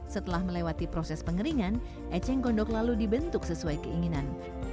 setelah melewati proses pengeringan eceng gondok lalu dibentuk sesuai keinginan